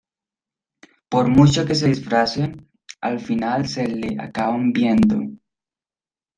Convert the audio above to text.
por mucho que se disfrace, al final se le acaban viendo